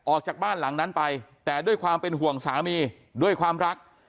ออกจากบ้านหลังนั้นไปแต่ด้วยความเป็นห่วงสามีด้วยความรัก